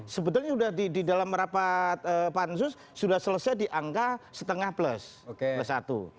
sebetulnya sudah di dalam rapat pansus sudah selesai di angka setengah plus plus satu